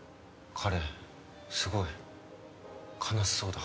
彼すごい悲しそうだ。